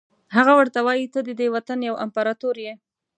هغه ورته وایي ته ددې وطن یو امپراتور یې.